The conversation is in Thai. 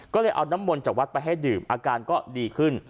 ก็เลยเอาน้ำมนต์จากวัดไปให้ดื่มอาการก็ดีขึ้น